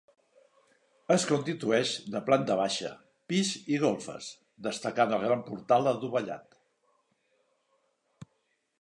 Es constitueix de planta baixa, pis i golfes, destacant el gran portal adovellat.